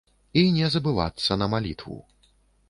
І не забывацца на малітву.